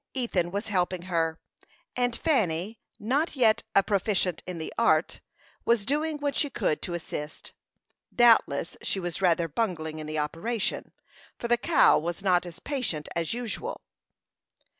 Ethan was helping her, and Fanny, not yet a proficient in the art, was doing what she could to assist. Doubtless she was rather bungling in the operation, for the cow was not as patient as usual.